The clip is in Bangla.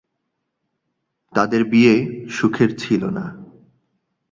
তাদের বিয়ে সুখের ছিল না।